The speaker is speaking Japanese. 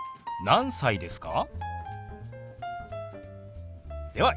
何歳ですか？